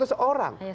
hanya seratus orang